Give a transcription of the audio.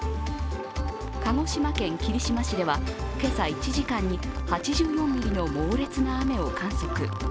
鹿児島県霧島市では今朝、１時間に８４ミリの猛烈な雨を観測。